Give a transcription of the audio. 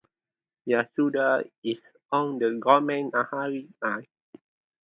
Yasuda is on the Gomen-Nahari Line.